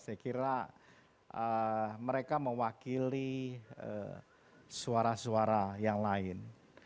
saya kira mereka mewakili suara suara yang lain